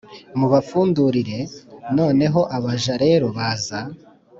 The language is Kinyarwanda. mubafundurire.’ noneho abaja rero baza